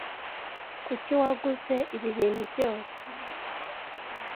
Kuki waguze ibi bintu byose?